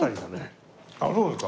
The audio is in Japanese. ああそうですか。